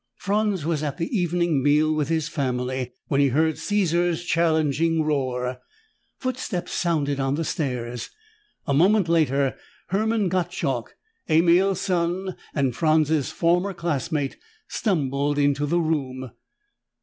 Franz was at the evening meal with his family when he heard Caesar's challenging roar. Footsteps sounded on the stairs. A moment later Hermann Gottschalk, Emil's son and Franz's former classmate, stumbled into the room.